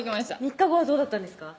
３日後はどうだったんですか？